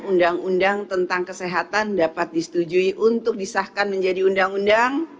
undang undang tentang kesehatan dapat disetujui untuk disahkan menjadi undang undang